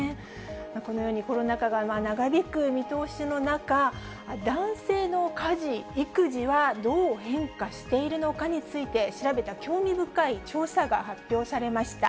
このようにコロナ禍が長引く見通しの中、男性の家事・育児はどう変化しているのかについて、調べた興味深い調査が発表されました。